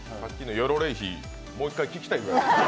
ヨロレイヒ、もう１回聞きたいくらいです。